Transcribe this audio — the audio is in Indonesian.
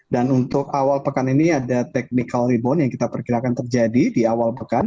dan untuk awal pekan ini ada technical rebound yang kita perkirakan terjadi di awal pekan